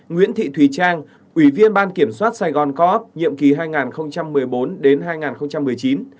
nguyễn thị thùy trang ủy viên ban kiểm soát sài gòn co op nhiệm kỳ hai nghìn một mươi bốn hai nghìn một mươi chín